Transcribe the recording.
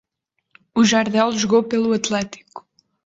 O Jardel jogou pelo Atlético.